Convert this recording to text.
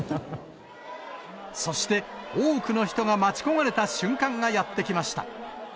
そして、多くの人が待ち焦がれた瞬間がやって来ました。